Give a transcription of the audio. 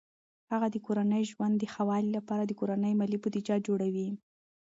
هغه د کورني ژوند د ښه والي لپاره د کورني مالي بودیجه جوړوي.